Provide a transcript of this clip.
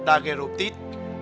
đã gây rộn tít